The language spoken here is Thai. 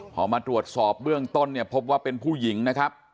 พอมาตรวจสอบเบื้องต้นเนี่ยพบว่าเป็นผู้หญิงนะครับ